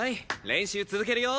練習続けるよ。